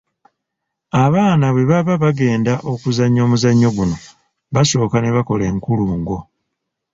Abaana bwe baba nga bagenda okuzannyo omuzannyo guno, basooka ne bakola enkulungo.